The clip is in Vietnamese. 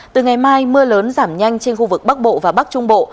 từ ngày mai mưa lớn giảm nhanh trên khu vực bắc bộ và bắc trung bộ